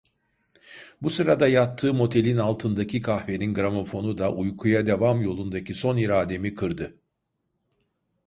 Bu sırada yattığım otelin altındaki kahvenin gramofonu da uykuya devam yolundaki son irademi kırdı.